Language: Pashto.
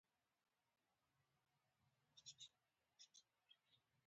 د کوټې پخوانی نوم شالکوټ دی